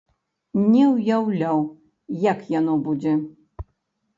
Не ўяўляў, як яно будзе.